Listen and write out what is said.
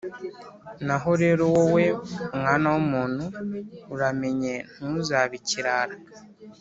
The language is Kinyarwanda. Naho rero wowe, mwana w’umuntu, uramenye ntuzabe ikirara